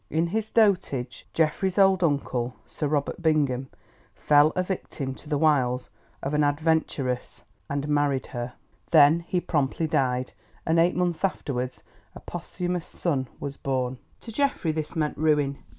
In his dotage, Geoffrey's old uncle Sir Robert Bingham fell a victim to the wiles of an adventuress and married her. Then he promptly died, and eight months afterwards a posthumous son was born. To Geoffrey this meant ruin.